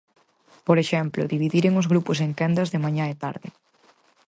Por exemplo, dividiren os grupos en quendas de mañá e tarde.